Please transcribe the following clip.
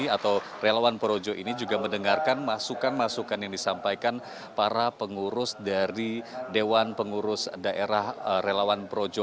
atau relawan projo ini juga mendengarkan masukan masukan yang disampaikan para pengurus dari dewan pengurus daerah relawan projo